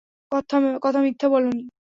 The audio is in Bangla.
কথা মিথ্যা বলোনি।